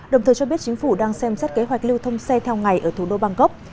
đồng thời cho biết chính phủ đang xem xét kế hoạch lưu thông xe theo ngày ở thủ đô bangkok